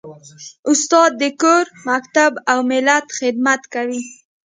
استاد د کور، مکتب او ملت خدمت کوي.